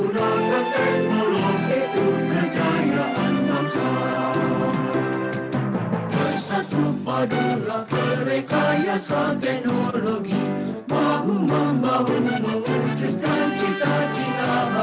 lagu kebangsaan indonesia raya